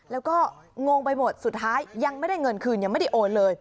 แล้วก็งงไปหมดสุดท้ายยังไม่ได้เงินคืนยังไม่ได้โอนเลย